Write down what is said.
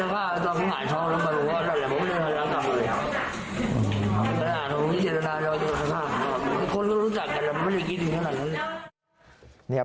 ผมไม่เจตนายิงซ้ำคนก็รู้จักแต่ไม่ได้คิดอยู่ขนาดนั้น